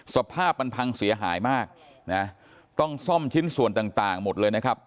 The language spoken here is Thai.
สภาพมันพังเสียหายมากนะต้องซ่อมชิ้นส่วนต่างหมดเลยนะครับ